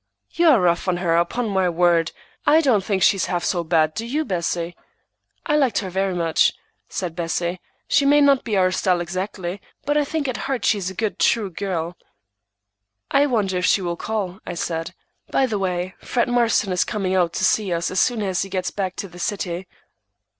"You are rough on her, upon my word. I don't think she's half so bad, do you, Bessie?" "I liked her very much," said Bessie. "She may not be our style exactly, but I think at heart she is a good, true girl." "I wonder if she will call," I said. "By the way, Fred Marston is coming out to see us as soon as he gets back to the city."